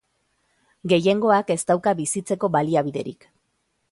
Gehiengoak ez dauka bizitzeko baliabiderik.